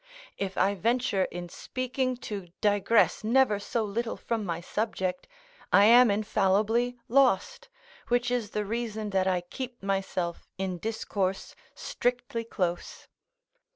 If I venture in speaking to digress never so little from my subject, I am infallibly lost, which is the reason that I keep myself, in discourse, strictly close.